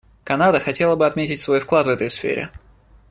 Канада хотела бы отметить свой вклад в этой сфере.